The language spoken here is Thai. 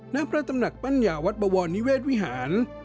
ณพระตำหนักปัญญาวัดบวรนิเวศวิหาร